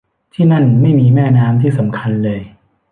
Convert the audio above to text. ที่นั่นไม่มีแม่น้ำที่สำคัญเลย